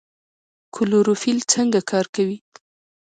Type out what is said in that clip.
کلوروفیل څنګه کار کوي؟